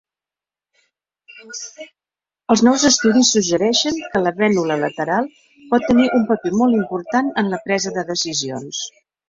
Els nous estudis suggereixen que l"habènula lateral pot tenir un paper molt important en la presa de decisions.